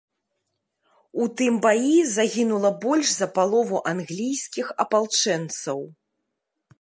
У тым баі загінула больш за палову англійскіх апалчэнцаў.